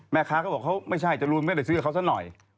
แม่ค้าก็บอกว่าเขาไม่ใช่จะรู้ไม่ได้ซื้อกับเขาสักหน่อย